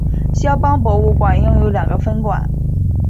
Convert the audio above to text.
萧邦博物馆拥有两个分馆。